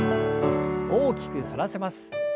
大きく反らせます。